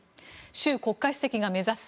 習国家主席が目指す